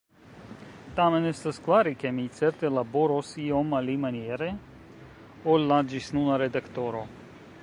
Tamen estas klare, ke mi certe laboros iom alimaniere ol la ĝisnuna redaktoro.